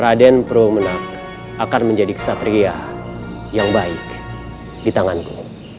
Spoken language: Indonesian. raden purbamenak akan menjadi ksatria yang baik di tanganku